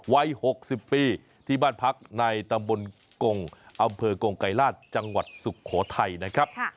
วัย๖๐ปีที่บ้านพักในตำบลกงอำเภอกงไกรราชจังหวัดสุโขทัยนะครับ